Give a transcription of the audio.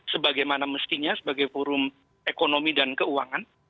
sebagaimana mestinya sebagai forum ekonomi dan keuangan